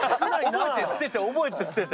覚えて捨てて、覚えて捨てて。